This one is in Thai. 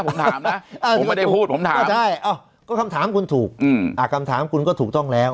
ผมไม่ได้พูดผมถามก็คำถามคุณถูกกรรมถามคุณก็ถูกต้องแล้ว